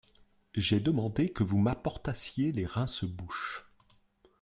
J’ai demandé que vous m’apportassiez les rince-bouche.